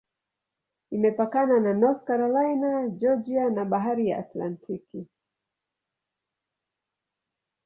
Imepakana na North Carolina, Georgia na Bahari ya Atlantiki.